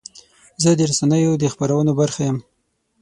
زه د رسنیو د خپرونو برخه یم.